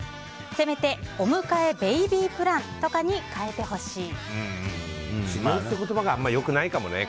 せめてお迎えベイビープランとかに変えてほしい。